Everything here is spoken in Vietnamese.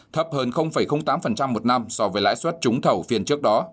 thấp hơn tám một năm so với lãi suất trúng thầu phiên trước đó